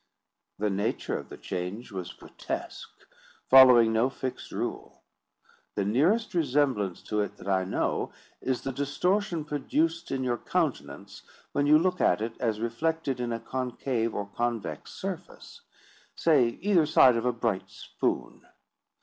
The nature of the change was grotesque, following no fixed rule. The nearest resemblance to it that I know, is the distortion produced in your countenance when you look at it as reflected in a concave or convex surface—say, either side of a bright spoon.